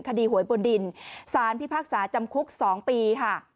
หวยบนดินสารพิพากษาจำคุก๒ปีค่ะ